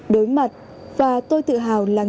đối mặt và tôi tự hào là người